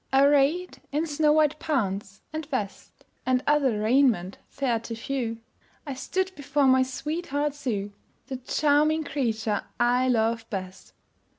Arrayed in snow white pants and vest, And other raiment fair to view, I stood before my sweetheart Sue The charming creature I love best.